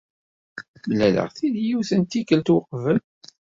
Mlaleɣ-t-id yiwet n tikkelt weqbel.